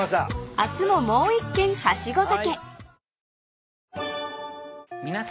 ［明日ももう１軒はしご酒］